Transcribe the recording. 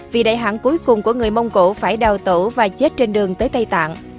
vị đại hãng cuối cùng của người mông cổ phải đào tổ và chết trên đường tới tây tạng